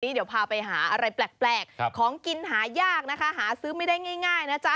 เดี๋ยวพาไปหาอะไรแปลกของกินหายากนะคะหาซื้อไม่ได้ง่ายนะจ๊ะ